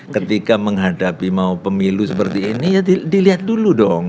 ketika menghadapi mau pemilu seperti ini ya dilihat dulu dong